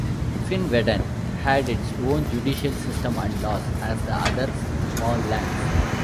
Finnveden had its own judicial system and laws as the other "small lands".